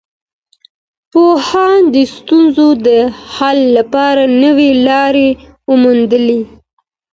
پوهانو د ستونزو د حل لپاره نوي لاري وموندلې.